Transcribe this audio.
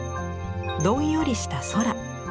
どんよりした空。